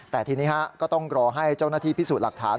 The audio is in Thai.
แต่ทีนี้ก็ต้องรอให้เจ้าหน้าที่พิสูจน์หลักฐาน